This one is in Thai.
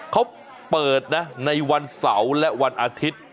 เขาเปิดนะในวันเสาร์และวันอาทิตย์